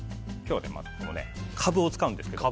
今日はカブを使います。